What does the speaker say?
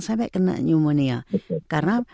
sampai kena pneumonia karena